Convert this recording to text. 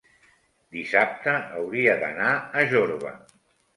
dissabte hauria d'anar a Jorba.